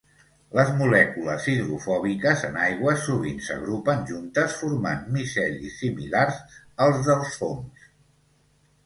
Les molècules hidrofòbiques en aigua sovint s'agrupen juntes formant micelis similars als dels fongs.